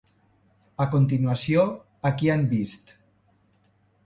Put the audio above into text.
A continuació, a qui han vist?